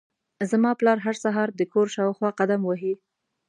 زما پلار هر سهار د کور شاوخوا قدم وهي.